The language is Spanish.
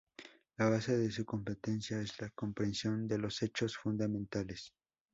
La base de su competencia es la comprensión de los hechos fundamentales.